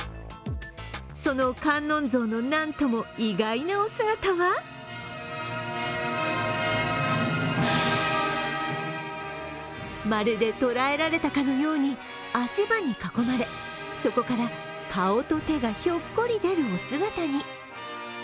その観音像のなんとも意外なお姿はまるで捕らえられたかのように足場に囲まれ、そこから顔と手がひょっこり出るお姿に。